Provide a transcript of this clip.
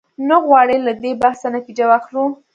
نه غواړو له دې بحثه نتیجه واخلو.